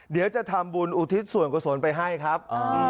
เดี๋ยวจะทำบุญอุทิศส่วนกุศลไปให้ครับ